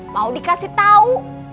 mau dikasih tau